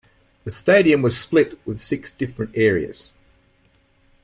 The stadium was split with six different areas.